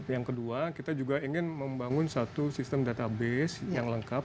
yang kedua kita juga ingin membangun satu sistem database yang lengkap